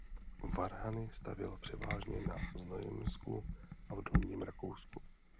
Varhany stavěl převážně na Znojemsku a v Dolním Rakousku.